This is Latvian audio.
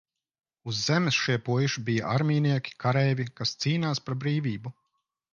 Uz Zemes šie puiši bija armijnieki, kareivji, kas cīnās par brīvību.